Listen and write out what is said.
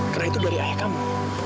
karena itu dari ayah kamu